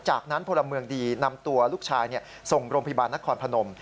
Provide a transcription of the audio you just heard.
จากนั้นพลเมืองดีนำตัวลูกชายส่งโรงพยาบาลนครพนม